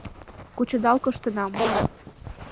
Кучедал коштынам.